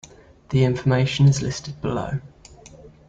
The information is listed below.